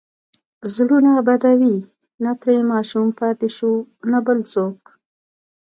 زړونه بدوي، نه ترې ماشوم پاتې شو، نه بل څوک.